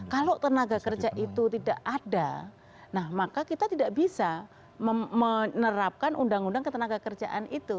kalau tenaga kerja itu tidak ada nah maka kita tidak bisa menerapkan undang undang ketenaga kerjaan itu